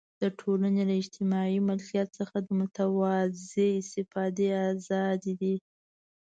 د ټولنې له اجتماعي ملکیت څخه د متوازنې استفادې آزادي ده.